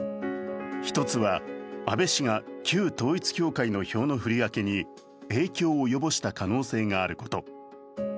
１つは、安倍氏が旧統一教会の票の振り分けに影響を及ぼした可能性があること。